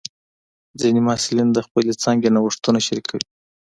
ځینې محصلین د خپلې څانګې نوښتونه شریکوي.